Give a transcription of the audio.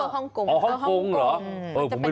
ค่ะเป็นห้องกง